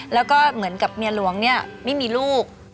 แล้วก็เหมือนกับเมียหลวงเนี่ยไม่มีลูก